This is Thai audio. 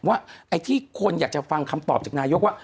ว่าไอ้ที่คนอยากจะฟังคำตอบจากนายกว่า